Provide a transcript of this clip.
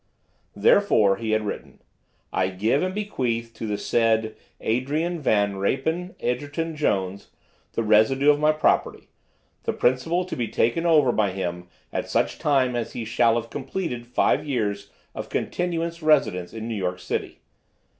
"Therefore," he had written, "I give and bequeath to the said Adrian Van Reypen Egerton Jones, the residue of my property, the principal to be taken over by him at such time as he shall have completed five years of continuous residence in New York City.